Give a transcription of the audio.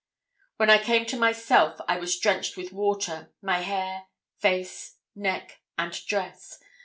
When I came to myself I was drenched with water, my hair, face, neck, and dress.